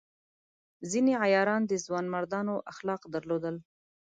ځینې عیاران د ځوانمردانو اخلاق درلودل.